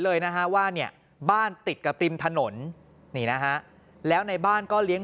เลยนะฮะว่าเนี่ยบ้านติดกับริมถนนนี่นะฮะแล้วในบ้านก็เลี้ยง